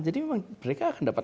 jadi mereka akan dapat